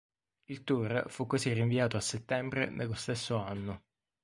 Il tour fu così rinviato a settembre dello stesso anno.